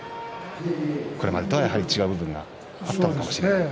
これまでとは違う部分があったのかもしれません。